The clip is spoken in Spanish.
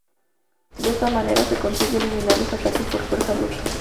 De esta manera se conseguía eliminar los ataques por fuerza bruta.